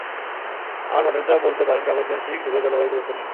আমার মডেলটা বলতে পারেন প্রাগৈতিহাসিক যুগের জলবায়ু পরিবর্তন নিয়ে!